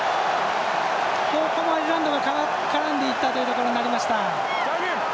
ここもアイルランドが絡んでいったということになりました。